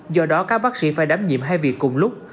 do đó các bác sĩ phải đám nhiệm hai việc cùng lúc